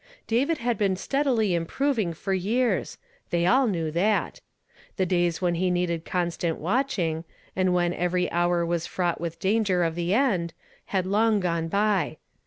David had been steadily improving for years ; they all knew that. The days when he needed constant watching, and when every hour was frauglit with danger of the end, had long gone by.